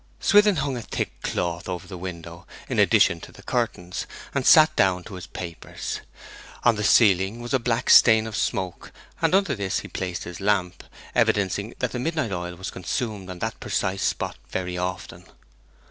Swithin hung a thick cloth over the window, in addition to the curtains, and sat down to his papers. On the ceiling was a black stain of smoke, and under this he placed his lamp, evidencing that the midnight oil was consumed on that precise spot very often.